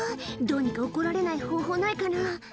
「どうにか怒られない方法ないかな」